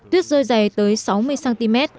tuyết rơi dày tới sáu mươi cm